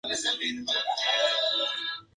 Su capital es la ciudad de Semily.